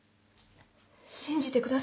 信じてください。